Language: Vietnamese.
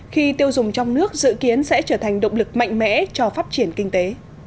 khi tiêu dùng trong nước dự kiến sẽ trở thành động lực mạnh mẽ cho phát triển kinh tế